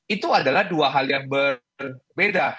itu adalah dua hal yang berbeda